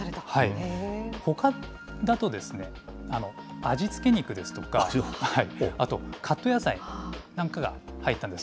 ほかだと、味付け肉ですとか、あとカット野菜なんかが入ったんです。